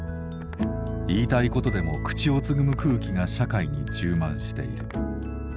言いたいことでも口をつぐむ空気が社会に充満している。